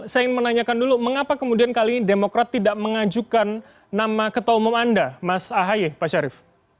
saya ingin menanyakan dulu mengapa kemudian kali ini demokrat tidak mengajukan nama ketua umum anda mas ahaye pak syarif